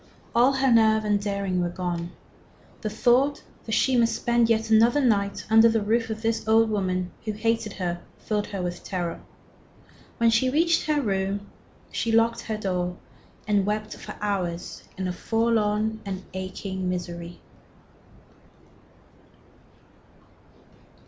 All her nerve and daring were gone. The thought that she must spend yet another night under the roof of this old woman who hated her filled her with terror. When she reached her room she locked her door and wept for hours in a forlorn and aching misery.